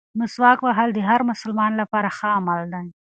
مسواک وهل د هر مسلمان لپاره ښه عمل دی.